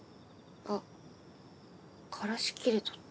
あっからし切れとった。